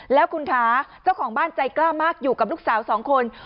แล้วคุณคะเจ้าของบ้านใจกล้ามากอยู่กับลูกสาวสองคน